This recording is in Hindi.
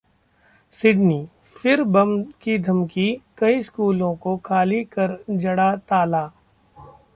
सिडनीः फिर बम की धमकी, कई स्कूलों को खाली करा जड़ा ताला